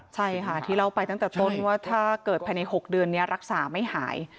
ใช่ค่ะที่เล่าไปตั้งแต่ต้นว่าถ้าเกิดภายใน๖เดือนนี้รักษาไม่หาย